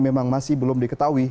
memang masih belum diketahui